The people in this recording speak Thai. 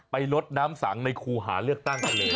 ลดน้ำสังในครูหาเลือกตั้งทะเล